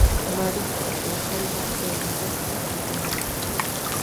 Mariscos: la jaiba, la langosta, el camarón.